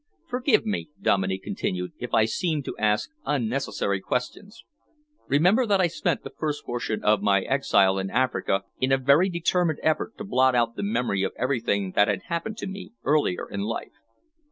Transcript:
"Forgive me," Dominey continued, "if I seem to ask unnecessary questions. Remember that I spent the first portion of my exile in Africa in a very determined effort to blot out the memory of everything that had happened to me earlier in life.